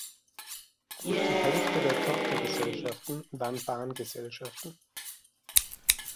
Gut die Hälfte der Tochtergesellschaften waren Bahngesellschaften.